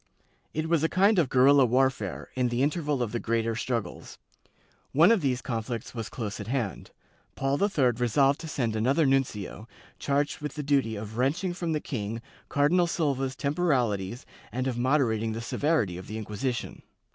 It was a kind of guerrilla warfare, in the interval of the greater struggles.^ One of these conflicts was close at hand. Paul III resolved to send another nuncio, charged with the duty of wrenching from the king Cardinal Silva's temporalities and of moderating the severity of the Inqmsition.